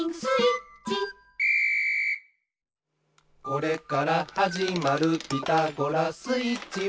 「これからはじまる『ピタゴラスイッチ』は」